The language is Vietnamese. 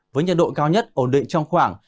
với nhiệt độ cao nhất ổn định trong khoảng